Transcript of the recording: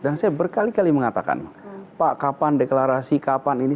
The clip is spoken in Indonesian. dan saya berkali kali mengatakan pak kapan deklarasi kapan ini